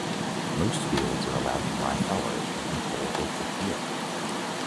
Most fields are allowed to lie fallow every fourth or fifth year.